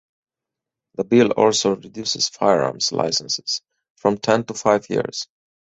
The Bill also reduces firearms licences from ten to five years.